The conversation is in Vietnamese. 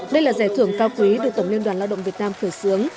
đây là giải thưởng cao quý được tổng liên đoàn lao động việt nam khởi xướng